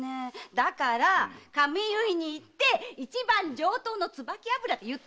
だから髪結いに行って一番上等の椿油で結ってもらったんだよ！